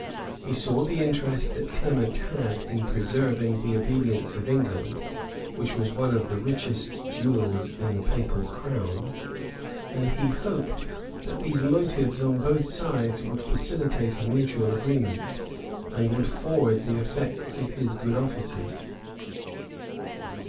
He saw the interest that Clement had in preserving the obedience of England, which was one of the richest jewels in the papal crown. And he hoped that these motives on both sides would facilitate a mutual agreement, and would forward the effects of his good offices.